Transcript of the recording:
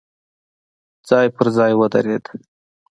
ځای په ځای ودرېد.